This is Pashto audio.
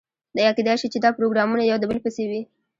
یا کیدای شي چې دا پروګرامونه یو د بل پسې وي.